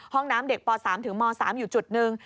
ห้องน้ำเด็กป๓ถึงม๓อยู่จุดหนึ่ง